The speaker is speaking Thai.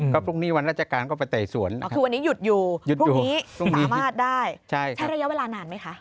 ก็พรุ่งนี้วันราชการก็ไปไต่สวนคือวันนี้หยุดอยู่หยุดพรุ่งนี้สามารถได้ใช้ระยะเวลานานไหมคะ